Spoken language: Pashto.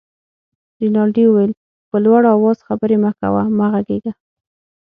رینالډي وویل: په لوړ آواز خبرې مه کوه، مه غږېږه.